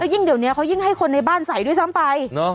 ยิ่งเดี๋ยวนี้เขายิ่งให้คนในบ้านใส่ด้วยซ้ำไป